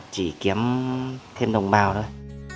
chỉ kiếm thêm đồng bào thôi